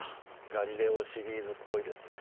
『ガリレオ』シリーズっぽいですね。